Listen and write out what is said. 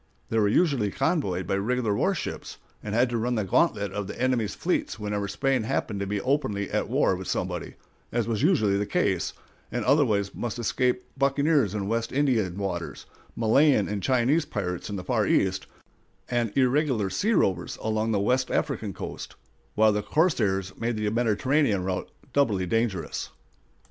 They were usually convoyed by regular war ships, and had to run the gantlet of the enemy's fleets whenever Spain happened to be openly at war with somebody, as was usually the case; and otherwise must escape buccaneers in West Indian waters, Malayan and Chinese pirates in the far East, and irregular sea rovers along the West African coast, while the corsairs made the Mediterranean route doubly dangerous. [Illustration: PAUL JONES' FIGHT IN THE "BON HOMME RICHARD" WITH THE "SERAPIS."